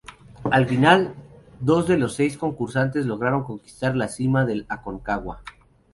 Al final, dos de los seis concursantes lograron conquistar la cima del Aconcagua.